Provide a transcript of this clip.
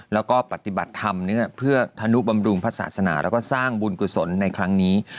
แล้วก็ปฏิบัติธรรมเพื่อธนุบำรุงพระศาสนาแล้วก็สร้างบุญกุศลในครั้งนี้